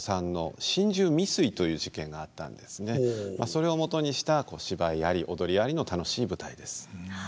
それをもとにした芝居あり踊りありの楽しい舞台です。